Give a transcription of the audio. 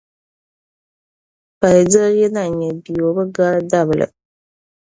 falidira yi na nyɛ bia o bi gari dabili.